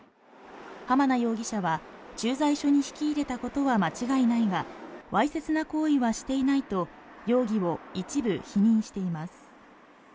濱名容疑者は、駐在所に引き入れたことは間違いないが、わいせつな行為はしていないと容疑を一部否認しています。